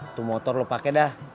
itu motor lo pakai dah